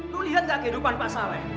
lo liat gak kehidupan pak saleh